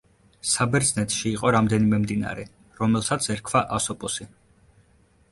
საბერძნეთში იყო რამდენიმე მდინარე, რომელსაც ერქვა ასოპოსი.